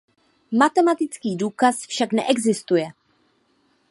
Matematický důkaz však neexistuje.